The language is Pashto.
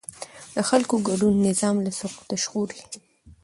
د خلکو ګډون نظام له سقوطه ژغوري